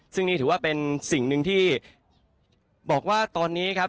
ซึ่งนี่ถือว่าเป็นสิ่งหนึ่งที่บอกว่าตอนนี้ครับ